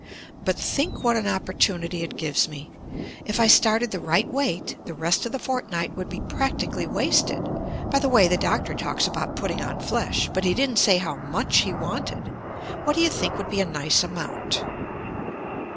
"But think what an opportunity it gives me. If I started the right weight, the rest of the fortnight would be practically wasted. By the way, the doctor talks about putting on flesh, but he didn't say how much he wanted. What do you think would be a nice amount?"